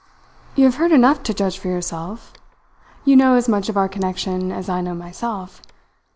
"You have heard enough to judge for yourself. You know as much of our connection as I know myself.